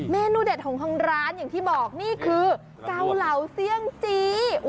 เมนูเด็ดของทางร้านอย่างที่บอกนี่คือเกาเหลาเซี่ยงจี้